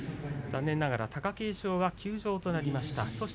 残念ながら貴景勝は休場となりました。